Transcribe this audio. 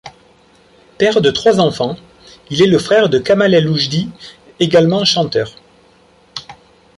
Père de trois enfants, il est le frère de Kamal El Oujdi, également chanteur.